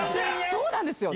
そうなんですよ。